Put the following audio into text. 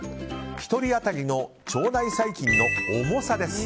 １人当たりの腸内細菌の重さです。